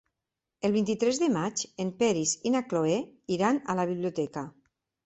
El vint-i-tres de maig en Peris i na Cloè iran a la biblioteca.